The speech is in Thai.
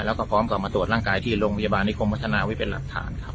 แล้วก็พร้อมกลับมาตรวจร่างกายที่โรงพยาบาลนิคมพัฒนาไว้เป็นหลักฐานครับ